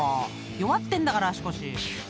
［弱ってんだから足腰］